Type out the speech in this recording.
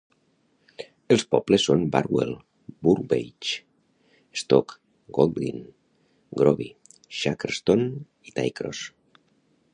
Els pobles són Barwell, Burbage, Stoke Golding, Groby, Shackerstone i Twycross.